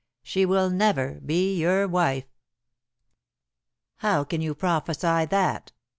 She will never be your wife." "How can you prophesy that?"